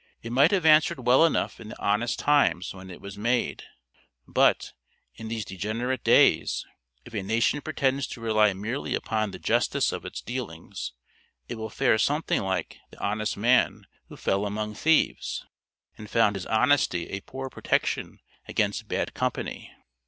It might have answered well enough in the honest times when it was made; but, in these degenerate days, if a nation pretends to rely merely upon the justice of its dealings, it will fare something like the honest man who fell among thieves, and found his honesty a poor protection against bad company.